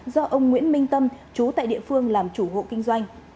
do ông nguyễn minh tâm chú tại địa phương làm chủ hộ kinh doanh